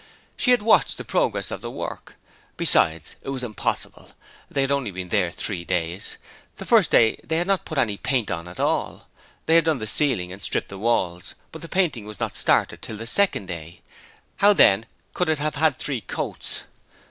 She had watched the progress of the work. Besides, it was impossible; they had only been there three days. The first day they had not put any paint on at all; they had done the ceiling and stripped the walls; the painting was not started till the second day. How then could it have had three coats?